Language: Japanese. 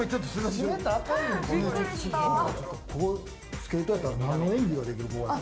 スケートやったら何の演技ができる？